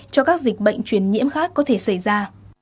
cho các dịch bệnh truyền nhiễm khác có thể xảy ra